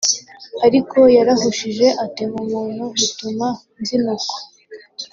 ariko yarahushije atema umuntu bituma nzinukwa